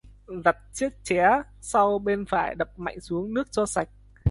Giặt chiếc ché sau bên phải đập mạnh xuống nước cho sạch